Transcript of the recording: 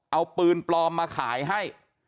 เอาปืนปลอมมาขายให้